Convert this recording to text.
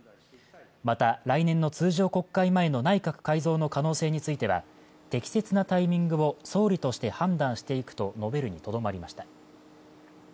また、来年の通常国会前の内閣改造の可能性については、適切なタイミングを総理として判断していくと述べるにとどまりました。